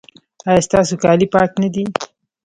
ایا ستاسو کالي پاک نه دي؟